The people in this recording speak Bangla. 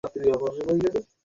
আমি ডিউটিতে আছি, স্যার।